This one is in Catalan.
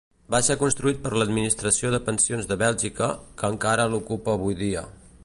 Va ser construït per l'Administració de Pensions de Bèlgica, que encara l'ocupa avui dia.